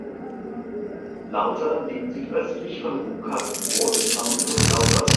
Lauter liegt südöstlich von Burkardroth am Fluss Lauter.